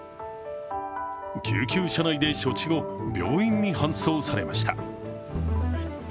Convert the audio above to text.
救急車内で処置後病院に搬送されました。